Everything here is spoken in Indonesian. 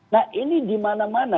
nah ini dimana mana